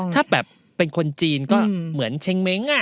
ถ้าแบบเป็นคนจีนก็เหมือนเช้งเม้ง